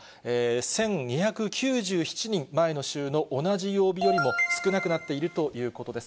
１２９７人、前の週の同じ曜日よりも少なくなっているということです。